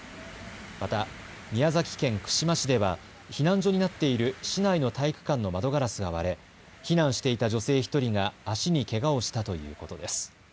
また宮崎県串間市では避難所になっている市内の体育館の窓ガラスが割れ、避難していた女性１人が足にけがをしたということです。